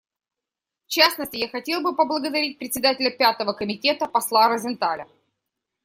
В частности, я хотел бы поблагодарить Председателя Пятого комитета посла Росенталя.